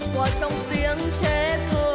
qua trong tiếng chế thơ